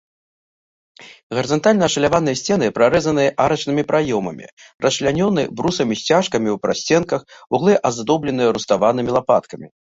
Гарызантальна ашаляваныя сцены прарэзаны арачнымі праёмамі, расчлянёны брусамі-сцяжкамі ў прасценках, вуглы аздоблены руставанымі лапаткамі.